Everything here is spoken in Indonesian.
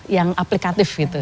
yang aplikatif gitu